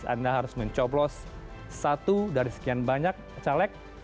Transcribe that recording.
anda harus mencoblos satu dari sekian banyak caleg